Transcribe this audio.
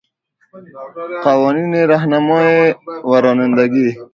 قوانین راهنمایی و رانندگی